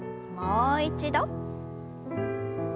もう一度。